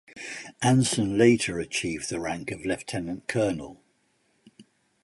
Anson later achieved the rank of lieutenant colonel.